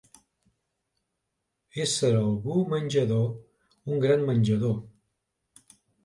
Ésser algú menjador, un gran menjador.